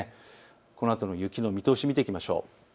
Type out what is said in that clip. このあとの雪の見通しを見ていきましょう。